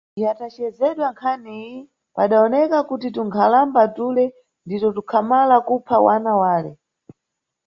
Yatajedzedwa nkhaniyi, padawoneka kuti tunkhalamba tule ndito tukhamala kupha wana wale.